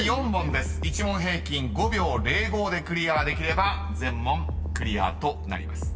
１問平均５秒０５でクリアができれば全問クリアとなります］